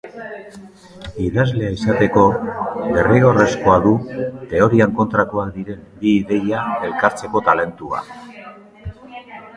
Idazle izateko, derrigorrezkoa du, teorian kontrakoak diren bi ideia elkartzeko talentua.